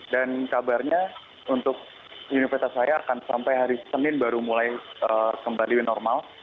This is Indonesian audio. dan kabarnya untuk universitas saya akan sampai hari senin baru mulai kembali normal